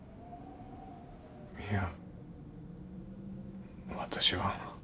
いや私は。